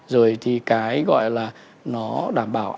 rồi thì cái gọi là nó đảm bảo